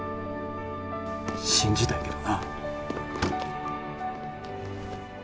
信じたいけどな。